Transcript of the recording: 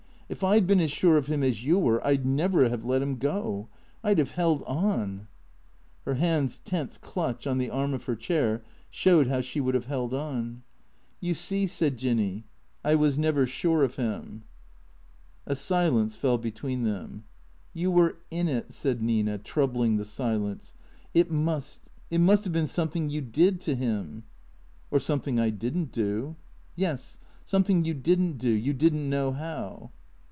If I 'd been as sure of him as you were, I 'd never have let him go. I 'd have held on " Her hands' tense clutch on the arm of her chair showed how she would have held on. " You see," said Jinny, " I was never sure of him." A silence fell between them. " You were in it," said Nina, troubling the silence. " It must — it must have been something you did to him." " Or something I did n't do." " Yes. Something you did n't do. You did n't know how."